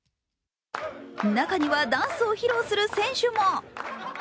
中にはダンスを披露する選手も。